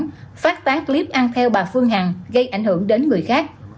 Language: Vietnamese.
các tài khoản phát tán clip ăn theo bà phương hằng gây ảnh hưởng đến người khác